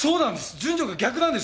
順序が逆なんですよ！